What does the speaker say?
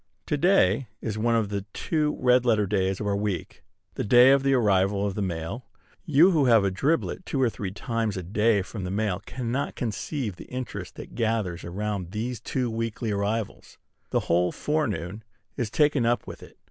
To day is one of the two red letter days of our week, the day of the arrival of the mail. You who have a driblet two or three times a day from the mail cannot conceive the interest that gathers around these two weekly arrivals. The whole forenoon is taken up with it.